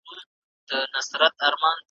کلمات دي بَخۍ نه ده کښیږده ول